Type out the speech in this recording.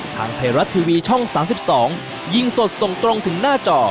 ทางไทยรัฐทีวีช่อง๓๒ยิงสดส่งตรงถึงหน้าจอ